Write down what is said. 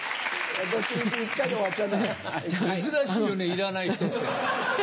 珍しいよねいらない人って。